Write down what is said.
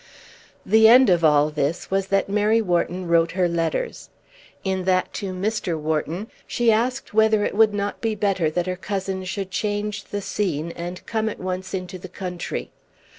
The end of all this was that Mary Wharton wrote her letters. In that to Mr. Wharton she asked whether it would not be better that her cousin should change the scene and come at once into the country.